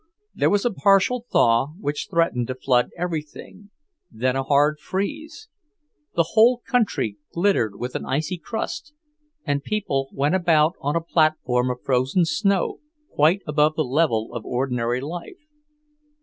There was a partial thaw which threatened to flood everything, then a hard freeze. The whole country glittered with an icy crust, and people went about on a platform of frozen snow, quite above the level of ordinary life.